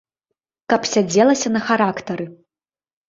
Каб сядзелася на характары.